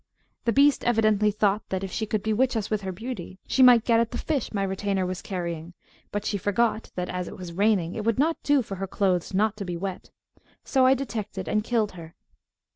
"The beast evidently thought that, if she could bewitch us with her beauty, she might get at the fish my retainer was carrying; but she forgot that, as it was raining, it would not do for her clothes not to be wet; so I detected and killed her."